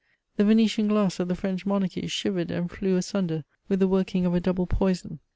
The Venetian glass of the French monarchy shivered and flew asunder with the working of a double poison.